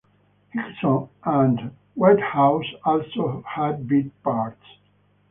Higson and Whitehouse also had bit parts.